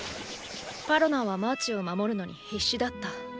パロナはマーチを守るのに必死だった。